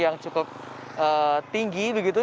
yang cukup tinggi